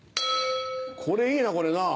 これいいなこれな。